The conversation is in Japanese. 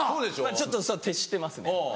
ちょっと徹してますね。